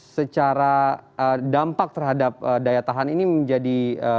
secara dampak terhadap daya tahan ini menjadi